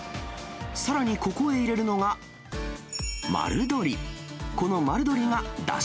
さらにここへ入れるのが、丸鶏。